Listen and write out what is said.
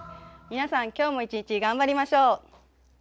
皆さん、今日も一日頑張りましょう。